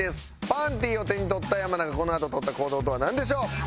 パンティを手に取った山名がこのあと取った行動とはなんでしょう？」